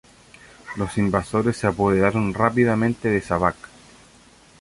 Los invasores se apoderaron rápidamente de Šabac.